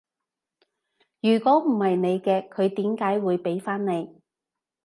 如果唔係你嘅，佢點解會畀返你？